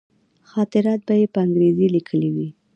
خاطرات به یې په انګرېزي لیکلي وي.